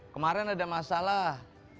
kemarin ada masalah